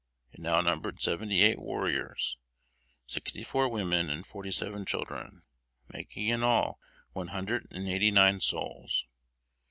It now numbered seventy eight warriors, sixty four women and forty seven children making in all one hundred and eighty nine souls.